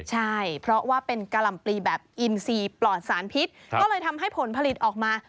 ใช่เพราะว่าเป็นกะหล่ำปลีแบบอินซีปลอดสารพิษก็เลยทำให้ผลผลิตออกมา